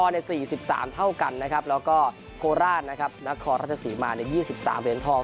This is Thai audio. ใน๔๓เท่ากันนะครับแล้วก็โคราชนะครับนครราชสีมาใน๒๓เหรียญทอง